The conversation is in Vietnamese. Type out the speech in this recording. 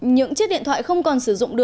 những chiếc điện thoại không còn